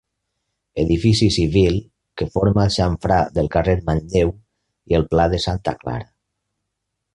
Edifici civil que forma el xamfrà del carrer Manlleu i el pla de Santa Clara.